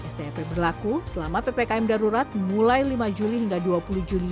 strp berlaku selama ppkm darurat mulai lima juli hingga dua puluh juli dua ribu dua puluh satu